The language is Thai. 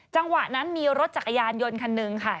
จังหวะนั้นมีรถจักรยานยนต์คันหนึ่งค่ะ